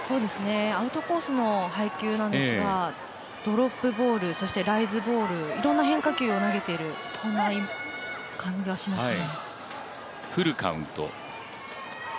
アウトコースの配球なんですがドロップボールそしてライズボール、いろんな変化球を投げている感じがしますね。